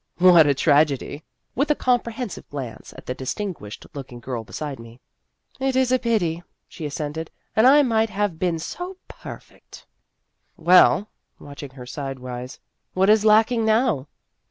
" What a tragedy !" with a comprehen sive glance at the distinguished looking girl beside me. " It is a pity," she assented ;" and I might have been so perfect !" "Well," watching her sidewise, "what is lacking now